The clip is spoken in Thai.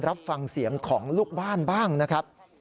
รับฟังเสียงของลูกบ้านบ้างนะครับ